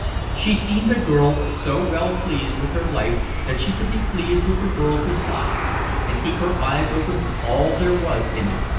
She seemed a girl so well pleased with her life that she could be pleased with the world besides and keep her eyes open for all there was in it.